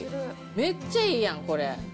めっちゃいいやん、これ。